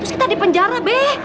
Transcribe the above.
kita di penjara be